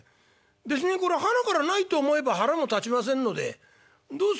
別にこれはなからないと思えば腹も立ちませんのでどうです？